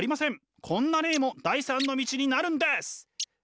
こんな例も第３の道になるんです。